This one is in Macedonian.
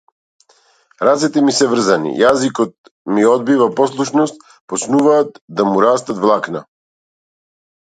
Рацете ми се врзани, јазикот ми одбива послушност, почнуваат да му растат влакна.